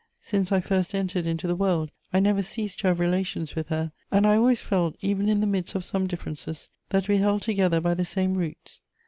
Since I first entered into the world, I never ceased to have relations with her, and I always felt, even in the midst of some differences, that we held together by the same roots.